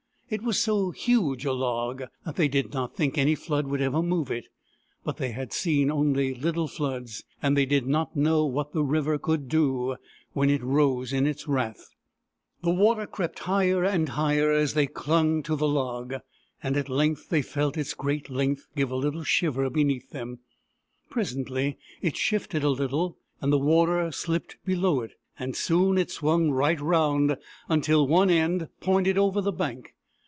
It was so huge a log that they did not think any flood would ever move it. But they had seen only little floods, and they did not know what the river could do when it rose in its wrath. The water crept higher and higher as they clung 79 8o BOORAN, THE PELICAN to the log, and at length they felt its great length give a little shiver beneath them. Presently it shifted a little, and the water slipped below it ; and soon it swung right round until one end pointed over the bank.